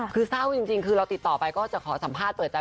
คือเศร้าจริงคือเราติดต่อไปก็จะขอสัมภาษณ์เปิดใจ